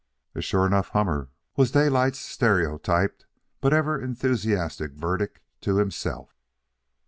"A sure enough hummer," was Daylight's stereotyped but ever enthusiastic verdict to himself.